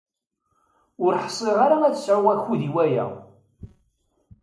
Ur ḥṣiɣ ara ad sɛuɣ akud i waya.